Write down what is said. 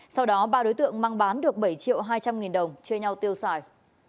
sau đó ba đối tượng mang bán được bảy triệu hai trăm linh nghìn đồng chia nhau tiêu xài